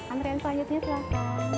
andren selanjutnya silahkan